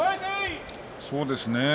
そうですね。